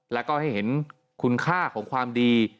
แล้วก็ให้เห็นคุณค่าของความดี